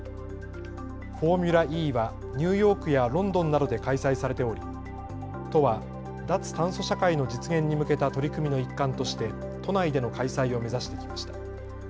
フォーミュラＥはニューヨークやロンドンなどで開催されており都は脱炭素社会の実現に向けた取り組みの一環として都内での開催を目指してきました。